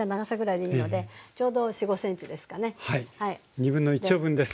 1/2丁分です。